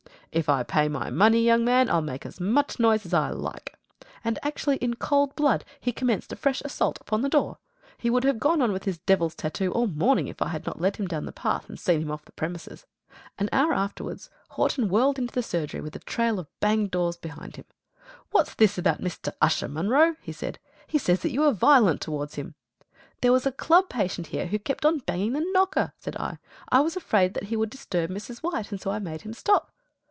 "If I pay my money, young man, I'll make such noise as I like." And actually in cold blood he commenced a fresh assault upon the door. He would have gone on with his devil's tattoo all morning if I had not led him down the path and seen him off the premises. An hour afterwards Horton whirled into the surgery, with a trail of banged doors behind him. "What's this about Mr. Usher, Munro?" he asked. "He says that you were violent towards him." "There was a club patient here who kept on banging the knocker," said I; "I was afraid that he would disturb Mrs. White, and so I made him stop."